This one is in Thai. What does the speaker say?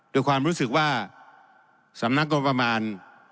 ด้วยความรู้สึกว่าสำนักงบประมาณ